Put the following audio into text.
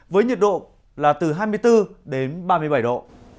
với nhiệt độ là từ hai mươi bốn đến ba mươi bảy độ